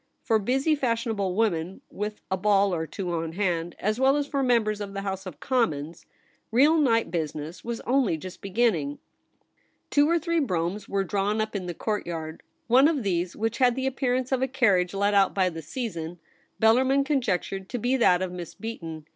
For busy fashionable women with a ball or two on hand, as well as for members of the House of Commons, real night business was only just beginning. VOL. I. 7 98 THE REBEL ROSE. Two or three broughams were drawn up in the courtyard. One of these, which had the appearance of a carriage let out by the season, Bellarmin conjectured to be that of Miss Beaton.